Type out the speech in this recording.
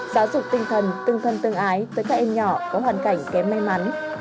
cần tương thân tương ái tới các em nhỏ có hoàn cảnh kém may mắn